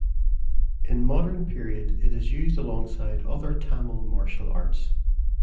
In modern period it is used alongside other Tamil martial arts.